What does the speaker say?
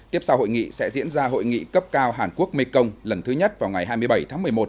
tiếp sau hội nghị sẽ diễn ra hội nghị cấp cao hàn quốc mekong lần thứ nhất vào ngày hai mươi bảy tháng một mươi một